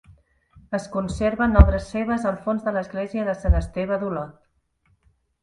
Es conserven obres seves al fons de l'església de Sant Esteve d'Olot.